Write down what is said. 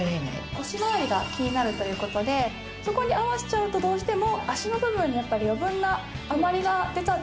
腰まわりが気になるという事でそこに合わせちゃうとどうしても脚の部分にやっぱり余分な余りが出ちゃってますよね。